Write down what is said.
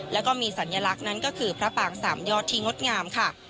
แล้วก็มีสัญลักษณ์นั้นก็คือพระปางสามยอดที่งดงามค่ะ